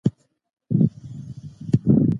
راځئ چي د پوهي ډيوه بل وساتو.